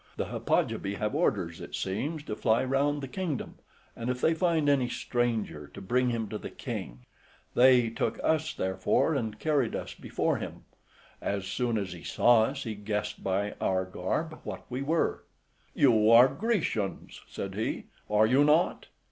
The Hippogypi have orders, it seems, to fly round the kingdom, and if they find any stranger, to bring him to the king: they took us therefore, and carried us before him. As soon as he saw us, he guessed by our garb what we were. "You are Grecians," said he, "are you not?"